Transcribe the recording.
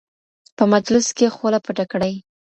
په مجلس کې خوله پټه کړئ.